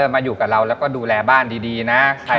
มาอยู่กับเราแล้วก็ดูแลบ้านดีนะ